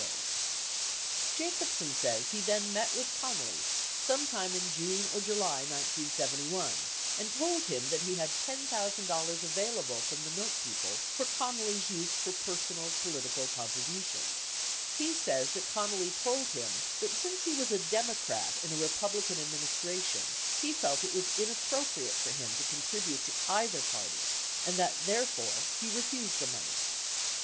77 Jacobsen says he then met with Connally sometime in June or July 1971, and told him that he had $10,000 available from the milk people for Connally's use for personal political contributions. He says that Connally told him that since he was a Democrat in a Republican ad ministration, he felt, it was inappropriate for him to contribute to either party and that therefore he refused the money.